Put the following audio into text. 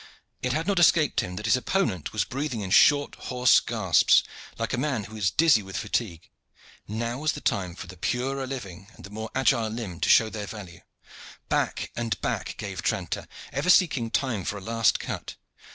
It had not escaped him that his opponent was breathing in short, hoarse gasps, like a man who is dizzy with fatigue. Now was the time for the purer living and the more agile limb to show their value. Back and back gave Tranter, ever seeking time for a last cut.